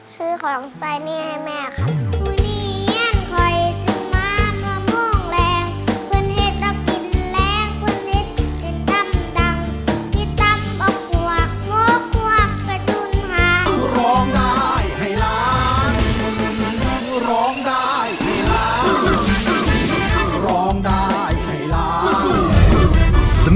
ซื้อของสายเนี่ยให้แม่ครับ